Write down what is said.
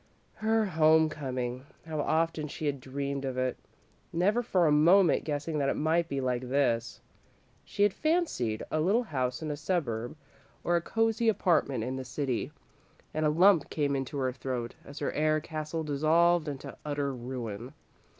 Her home coming! How often she had dreamed of it, never for a moment guessing that it might be like this! She had fancied a little house in a suburb, or a cosy apartment in the city, and a lump came into her throat as her air castle dissolved into utter ruin.